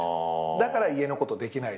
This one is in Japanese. だから家のことできないと。